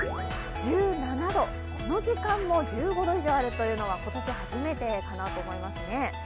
１７度、この時間も１５度以上あるというのは今年初めてかなと思いますね。